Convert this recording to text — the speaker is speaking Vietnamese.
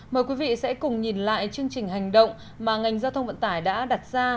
mời quý vị sẽ cùng nhìn lại chương trình hành động mà ngành giao thông vận tải đã đặt ra